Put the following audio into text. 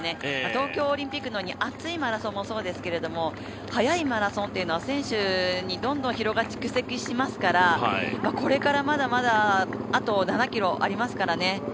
東京オリンピックのように暑いマラソンもそうですけどもはやいマラソンというのは選手にどんどん疲労が蓄積しますからこれからまだまだあと７ｋｍありますからね。